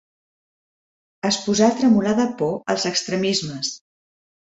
Es posà a tremolar de por als extremismes.